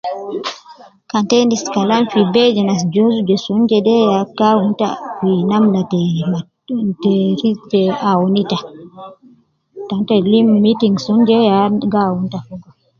Kan ta endis Kalam fi be je nas jouju je sun jede ya gi awunu ta fi namna te te te awun ita, kan te lim meeting sun je ya gi awun ta.